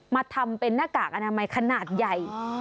มาทำเป็นหน้ากากอนามัยขนาดใหญ่